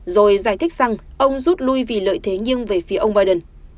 rồi giải thích rằng ông rút lui vì lợi thế nhưng về phía ông biden